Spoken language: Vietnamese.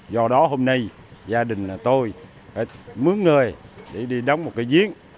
do đó hôm nay gia đình là tôi mướn người để đi đóng một cái diễn